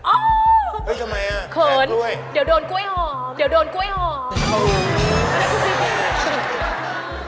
เฮ้ยทำไมอะแตะกล้วยเขินเดี๋ยวโดนกล้วยหอม